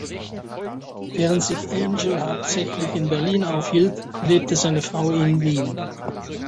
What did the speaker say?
Während sich Angel hauptsächlich in Berlin aufhielt, lebte seine Frau in Wien.